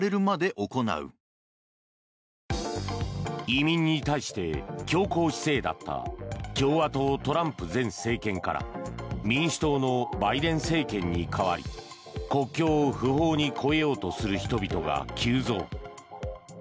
移民に対して強硬姿勢だった共和党・トランプ前政権から民主党のバイデン政権に代わり国境を不法に越えようとする人々が急増。